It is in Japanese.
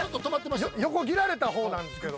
横切られた方なんですけど。